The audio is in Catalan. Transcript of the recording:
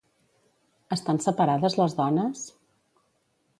Estan separades les dones?